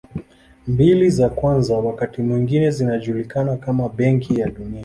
Mbili za kwanza wakati mwingine zinajulikana kama Benki ya Dunia.